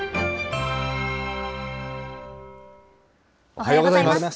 おはようございます。